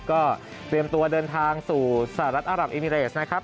ก็เตรียมตัวเดินทางสู่สหรัฐอารับเอมิเรสนะครับ